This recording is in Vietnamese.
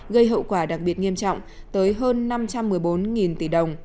gây hậu quả đặc biệt nghiêm trọng tới hơn năm trăm một mươi bốn tỷ đồng